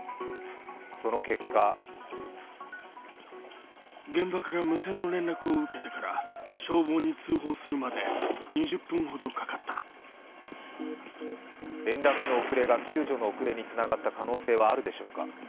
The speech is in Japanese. その結果連絡の遅れが救助の遅れにつながった可能性はあるでしょうか。